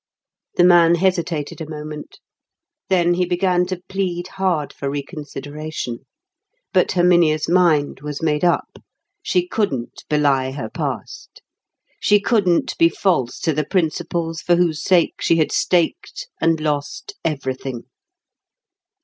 The man hesitated a moment. Then he began to plead hard for reconsideration. But Herminia's mind was made up. She couldn't belie her past; she couldn't be false to the principles for whose sake she had staked and lost everything.